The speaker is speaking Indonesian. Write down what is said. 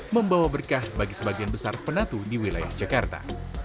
membawa berkah bagi sebagian besar penatu di wilayah jakarta